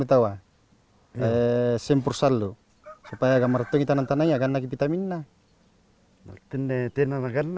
betawa simpur selalu supaya agar merenteng tanah tanahnya karena kita minah tindai tenaga